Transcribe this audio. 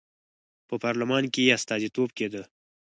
په پارلمان کې یې استازیتوب کېده.